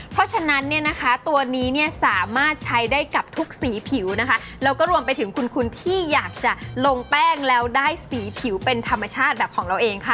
เพราะฉะนั้นเนี่ยนะคะตัวนี้เนี่ยสามารถใช้ได้กับทุกสีผิวนะคะแล้วก็รวมไปถึงคุณที่อยากจะลงแป้งแล้วได้สีผิวเป็นธรรมชาติแบบของเราเองค่ะ